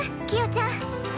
キヨちゃん。